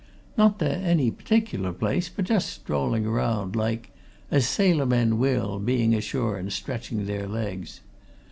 Not to any partic'lar place, but just strolling round, like, as sailor men will, being ashore and stretching their legs.